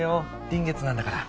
臨月なんだから。